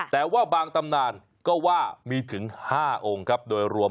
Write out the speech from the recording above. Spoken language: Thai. แต่ว่าบางตำนานก็ว่ามีถึง๕องค์ครับโดยรวม